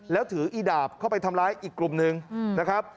แล้วถืออีดาบเข้าไปทำร้ายอีกกลุ่มหนึ่งนะครับ